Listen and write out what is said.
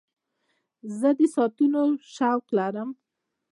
زه د ساعتونو شوق لرم.